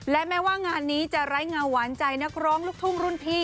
และแม้ว่างานนี้จะไร้เงาหวานใจนักร้องลูกทุ่งรุ่นพี่